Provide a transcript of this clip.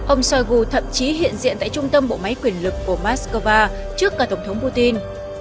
ông shoigu thậm chí hiện diện tại trung tâm bộ máy quyền lực của moscow trước cả tổng thống putin